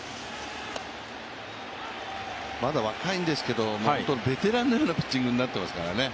まだ若いんですけど、本当にベテランのようなピッチングになっていますからね。